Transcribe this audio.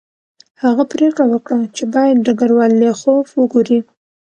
هغه پریکړه وکړه چې باید ډګروال لیاخوف وګوري